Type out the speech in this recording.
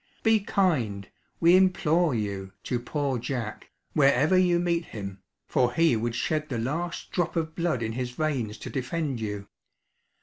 Be kind, we implore you, to Poor Jack, wherever you meet him, for he would shed the last drop of blood in his veins to defend you!